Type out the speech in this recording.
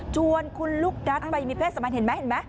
ชวนคุณลุกนัทไปมีเพศสัมพันธ์เห็นไหม